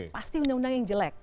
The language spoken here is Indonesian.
pasti undang undang yang jelek